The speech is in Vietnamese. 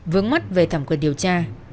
vướng mắt về thẩm quyền điều tra